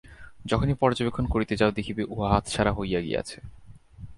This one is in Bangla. যখনই পর্যবেক্ষণ করিতে যাও দেখিবে উহা হাতছাড়া হইয়া গিয়াছে।